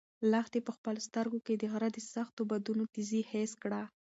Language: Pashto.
لښتې په خپلو سترګو کې د غره د سختو بادونو تېزي حس کړه.